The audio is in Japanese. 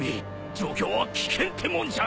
状況は危険ってもんじゃない。